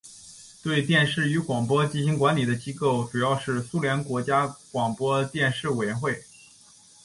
对电视与广播进行管理的机构主要是苏联国家广播电视委员会。